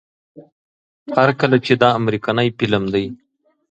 هر کله چې دا امريکنے فلم دے